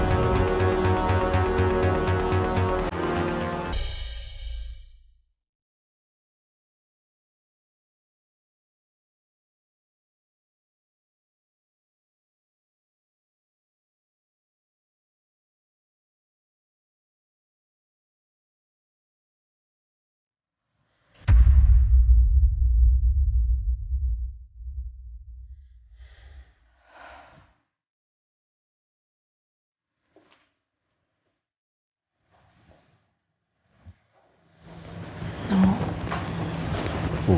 kamu mikirin apa nuh